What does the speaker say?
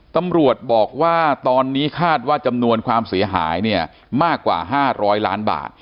ตำรวจบอกว่าตอนนี้คาดว่าจำนวนความเสียหายเนี่ยมากกว่า๕๐๐ล้านบาท